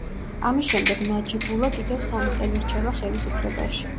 ამის შემდეგ ნაჯიბულა კიდევ სამი წელი რჩება ხელისუფლებაში.